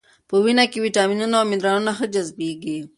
په وینه کې ویټامینونه او منرالونه ښه جذبېږي.